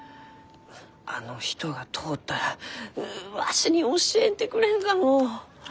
あの人が通ったらううわしに教えてくれんかのう？